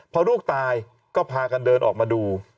พอลูกตายก็พากันเดินออกมาดู